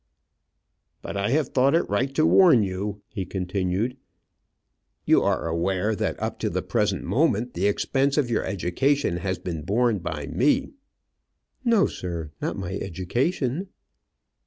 "But I have thought it right to warn you," he continued, "You are aware that up to the present moment the expense of your education has been borne by me." "No, sir; not my education."